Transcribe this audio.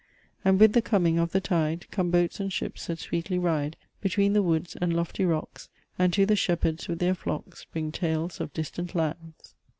And, with the coming of the tide, Come boats and ships that sweetly ride, Between the woods and lofty rocks; And to the shepherds with their flocks Bring tales of distant lands."